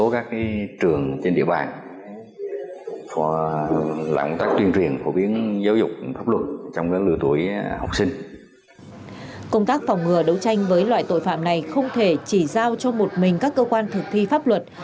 công tác phòng ngừa đấu tranh với loại tội phạm này không thể chỉ giao cho một mình các cơ quan thực thi pháp luật